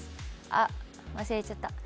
あっ、忘れちゃった。